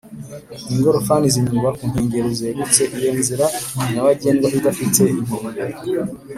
Ingorofani zinyuzwa ku nkengero zegutse iyo inzira nyabagendwa idafite inkengero